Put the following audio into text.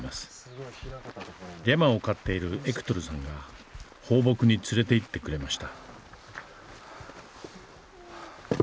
リャマを飼っているエクトルさんが放牧に連れていってくれました。